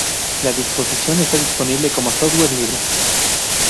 La disposición está disponible como software libre.